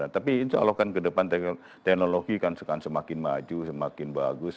tapi insya allah kan ke depan teknologi kan semakin maju semakin bagus